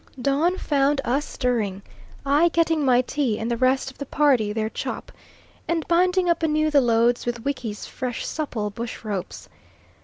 Dawn found us stirring, I getting my tea, and the rest of the party their chop, and binding up anew the loads with Wiki's fresh supple bush ropes.